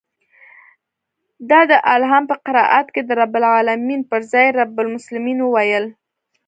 ده د الحمد په قرائت کښې د رب العلمين پر ځاى رب المسلمين وويل.